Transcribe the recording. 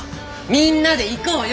みんなで行こうよ！